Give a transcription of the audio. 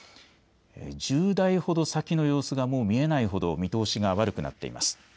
１０台ほど先の様子がもう見えないほど見通しが悪くなっています。